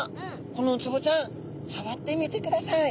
このウツボちゃんさわってみてください。